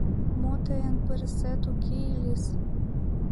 — Мо, тыйын пырысет уке ыль-ыс?